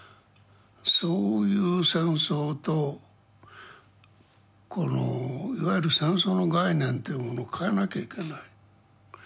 そういう戦争とこのいわゆる戦争の概念というものを変えなきゃいけない。